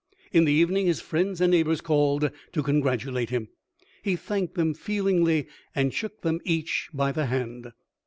" In the evening his friends and neighbors called to congratulate him. He thanked them feelingly and shook them each by the hand.